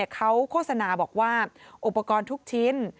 เขาโฆษณาบอกว่าอุปกรณ์ทุกชิ้น